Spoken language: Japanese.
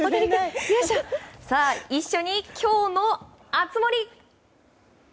一緒に今日の熱盛！